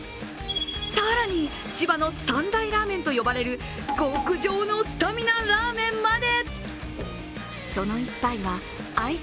更に、千葉の三大ラーメンと呼ばれる極上のスタミナラーメンまで。